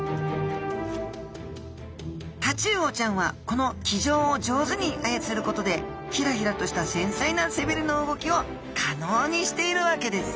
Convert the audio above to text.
タチウオちゃんはこの鰭条を上手にあやつることでヒラヒラとした繊細な背びれの動きを可能にしているわけです